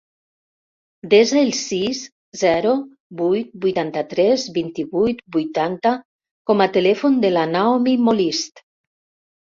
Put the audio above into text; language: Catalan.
Desa el sis, zero, vuit, vuitanta-tres, vint-i-vuit, vuitanta com a telèfon de la Naomi Molist.